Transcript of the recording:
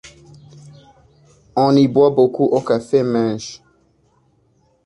On y boit beaucoup au café Minche.